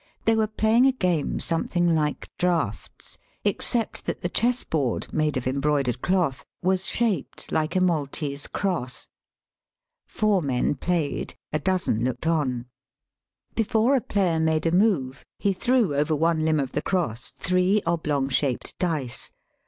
They were playing a game something like draughts, except that the chessboard, made of embroidered cloth, was shaped like a Maltese cross. Pour men played, a dozen looked on. Digitized by VjOOQIC AN, ELEPHANT RIDE, 813 Before a player made a move he threw over one limb of the cross three oblong shaped dice.